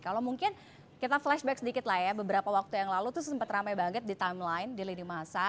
kalau mungkin kita flashback sedikit lah ya beberapa waktu yang lalu tuh sempet ramai banget di timeline di lini masa